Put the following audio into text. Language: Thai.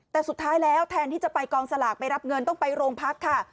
แต่สุดท้ายแล้วแทนที่จะไปกองสลากไปรับเงินต้องไปโรงพักค่ะ